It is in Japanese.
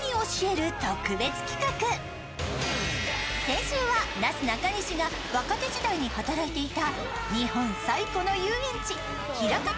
先週は、なすなかにしが若手時代に働いていた日本最古の遊園地ひらかた